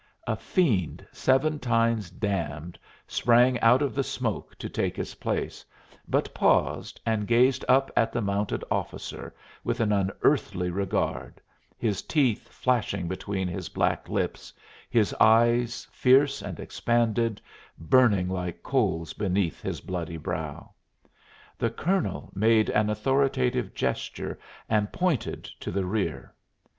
A fiend seven times damned sprang out of the smoke to take his place, but paused and gazed up at the mounted officer with an unearthly regard, his teeth flashing between his black lips, his eyes, fierce and expanded, burning like coals beneath his bloody brow. The colonel made an authoritative gesture and pointed to the rear.